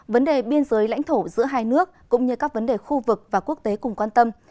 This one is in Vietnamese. vấn đề biên giới lãnh thổ giữa hai nước cũng như các vấn đề khu vực và quốc tế cùng quan tâm